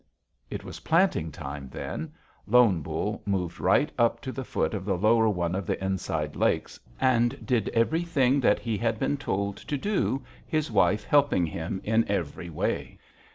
"It was planting time then. Lone Bull moved right up to the foot of the lower one of the Inside Lakes, and did everything that he had been told to do, his wife helping him in every way.